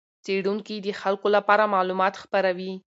څېړونکي د خلکو لپاره معلومات خپروي.